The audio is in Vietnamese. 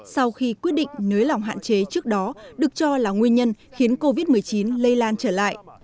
sau khi quyết định nới lỏng hạn chế trước đó được cho là nguyên nhân khiến covid một mươi chín lây lan trở lại